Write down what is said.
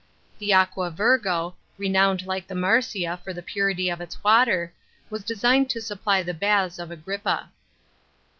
The Aqua Virgo, J renowned like the Marcia for the purity of its water, was designed to supply the Baths of Agrippa.